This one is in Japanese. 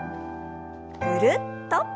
ぐるっと。